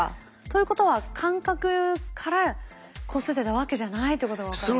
ということは感覚からこすってたわけじゃないということが分かる。